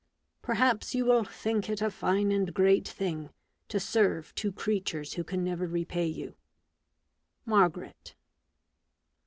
Perhaps you will think it a fine and great thing, to serve two creatures who can never repay yon. — Margaret."